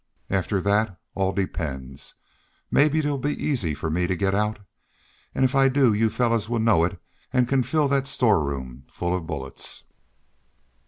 After thet all depends. Mebbe it 'll be easy fer me to get out. An' if I do y'u fellars will know it an' can fill thet storeroom full of bullets."